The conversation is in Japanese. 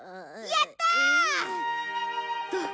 やったあ！